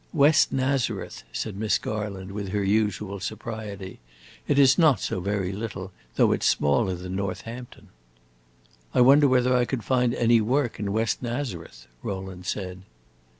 "West Nazareth," said Miss Garland, with her usual sobriety. "It is not so very little, though it 's smaller than Northampton." "I wonder whether I could find any work at West Nazareth," Rowland said.